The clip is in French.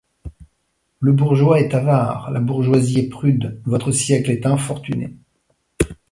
Le bourgeois est avare, la bourgeoise est prude ; votre siècle est infortuné.